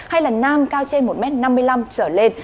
hay là nam cao trên một m năm mươi năm trở lên